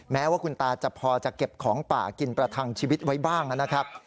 แม้ว่าคุณตาจะพอจะเก็บของป่ากินประทังชีวิตไว้บ้างนะครับ